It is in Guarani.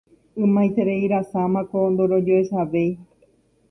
Ymaitereirasámako ndorojoechavéi.